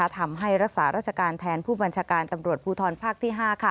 ทำให้รักษาราชการแทนผู้บัญชาการตำรวจภูทรภาคที่๕